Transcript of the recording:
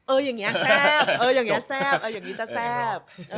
เอออย่างนี้แซ่บ